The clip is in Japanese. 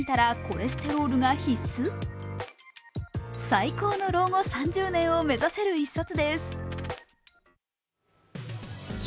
最高の老後３０年を目指せる一冊です。